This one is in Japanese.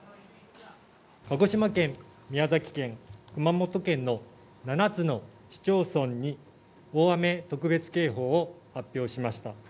鹿児島県、宮崎県、熊本県の７つの市町村に、大雨特別警報を発表しました。